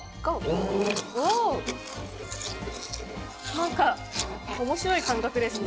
何か面白い感覚ですね。